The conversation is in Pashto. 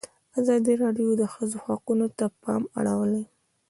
ازادي راډیو د د ښځو حقونه ته پام اړولی.